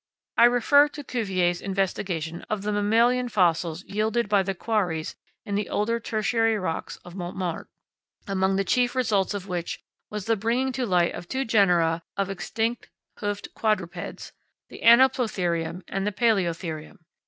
I refer to Cuvier's investigation of the mammalian fossils yielded by the quarries in the older tertiary rocks of Montmartre, among the chief results of which was the bringing to light of two genera of extinct hoofed quadrupeds, the Anoplotherium and the _Palaeotherium.